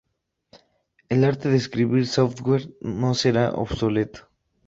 El arte de escribir software no será obsoleto.